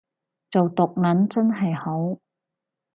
做毒撚真係好